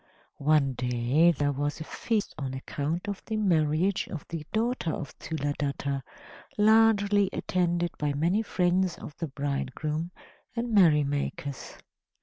One day there was a feast on account of the marriage of the daughter of Sthuladatta, largely attended by many friends of the bridegroom and merry makers.